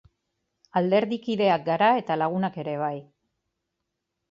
Alderdikideak gara, eta lagunak ere bai.